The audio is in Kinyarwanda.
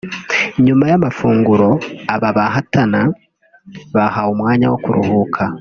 nyuma y’amafunguro aba bahatana bahawe umwanya wo kuruhuka